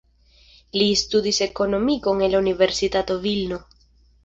Li studis ekonomikon en la Universitato Vilno.